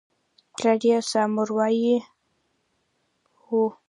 پلار یې سامورايي و.